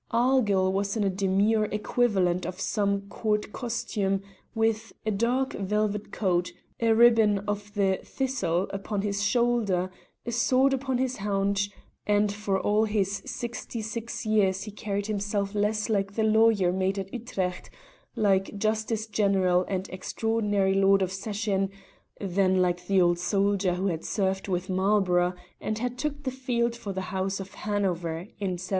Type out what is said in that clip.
Argyll was in a demure equivalent for some Court costume, with a dark velvet coat, a ribbon of the Thistle upon his shoulder, a sword upon his haunch, and for all his sixty six years he carried himself less like the lawyer made at Utrecht like Justice General and Extraordinary Lord of Session than like the old soldier who had served with Marlborough and took the field for the House of Hanover in 1715.